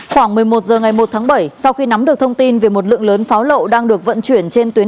khoảng một mươi một giờ ngày một tháng bảy sau khi nắm được thông tin về một lượng lớn pháo lậu đang được vận chuyển